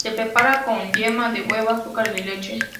Se prepara con yema de huevo, azúcar y leche.